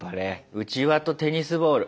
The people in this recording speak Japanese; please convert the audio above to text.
うちわとテニスボール。